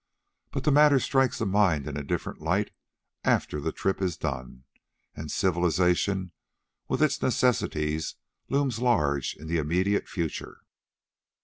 But the matter strikes the mind in a different light after the trip is done, and civilisation with its necessities looms large in the immediate future.